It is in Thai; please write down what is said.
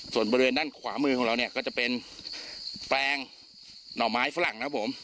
ส่วนบริเวณด้านขวามือของเราเนี่ยก็จะเป็นแปลงหน่อไม้ฝรั่งนะครับผม